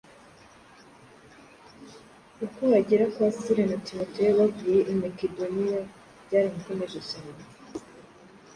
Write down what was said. ukuhagera kwa Sila na Timoteyo bavuye i Mekedoniya byaramukomeje cyane.